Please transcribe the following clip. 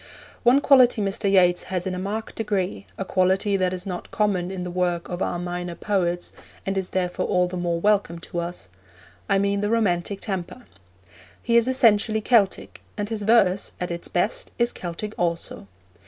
One quality Mr. Yeats has in a marked degree, a quality that is not common in the work of our minor poets, and is therefore all the more welcome to us I mean the romantic temper. He is essentially Celtic, and his verse, at its best, is Celtic also.